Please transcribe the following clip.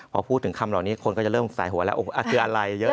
พอพูดถึงคำเหล่านี้คนก็จะเริ่มสายหัวแล้วคืออะไรเยอะ